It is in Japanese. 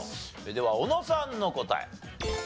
では小野さんの答え。